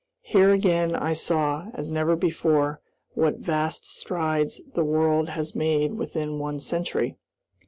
Here again I saw, as never before, what vast strides the world has made within one century.